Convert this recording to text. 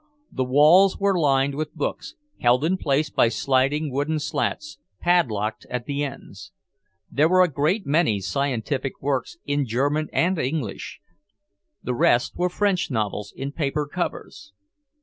The walls were lined with books, held in place by sliding wooden slats, padlocked at the ends. There were a great many scientific works in German and English; the rest were French novels in paper covers.